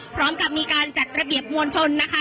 พร้อมกับมีการจัดระเบียบมวลชนนะคะ